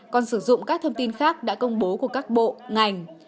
còn sử dụng các thông tin khác đã công bố của các bộ ngành